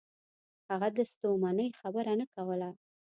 هغه د ستومنۍ خبره نه کوله.